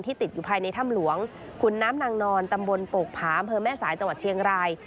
ติดอยู่ภายในถ้ำหลวงขุนน้ำนางนอนตำบลโปกผาอำเภอแม่สายจังหวัดเชียงราย